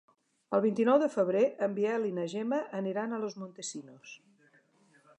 El vint-i-nou de febrer en Biel i na Gemma aniran a Los Montesinos.